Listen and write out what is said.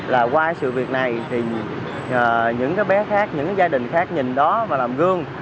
là qua sự việc này thì những bé khác những gia đình khác nhìn đó và làm gương